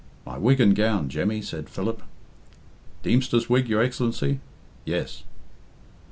"My wig and gown, Jemmy," said Philip. "Deemster's wig, your Excellency?" "Yes."